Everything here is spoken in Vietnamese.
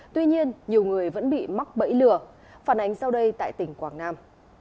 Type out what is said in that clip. tuy nhiên nhiều người vẫn bị mắc bẫy lừa phản ánh sau đây tại tỉnh quảng nam